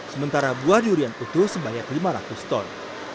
sementara buah durian utuh sebanyak lima ratus ton